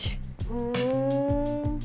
ふん。